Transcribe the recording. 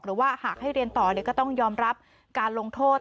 หรือว่าหากให้เรียนต่อเด็กก็ต้องยอมรับการลงโทษ